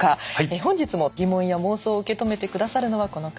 本日も疑問や妄想を受け止めて下さるのはこの方。